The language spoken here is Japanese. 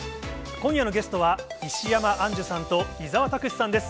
今夜のゲストは、石山アンジュさんと、伊沢拓司さんです。